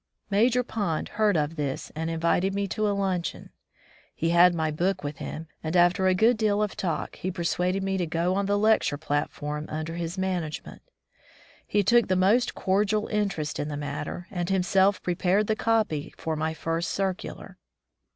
Major Pond heard of this and invited me to luncheon. He had my book with him, and after a good deal of talk, he persuaded me to go on the lecture 186 The Soul of the White Man platform under his management. He took the most cordial interest in the matter, and himself prepared the copy for my first cir cular.